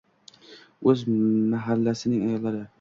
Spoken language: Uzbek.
O'z mahallasining ayollari.